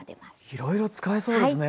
いろいろ使えそうですね。